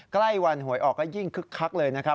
ใกล้วันหวยออกก็ยิ่งคึกคักเลยนะครับ